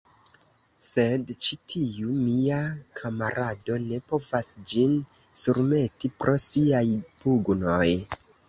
Sed ĉi tiu mia kamarado ne povas ĝin surmeti pro siaj pugnoj.